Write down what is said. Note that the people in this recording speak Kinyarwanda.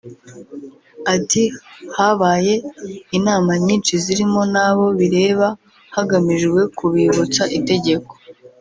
Ati “Habaye inama nyinshi zirimo n’abo bireba hagamijwe kubibutsa itegeko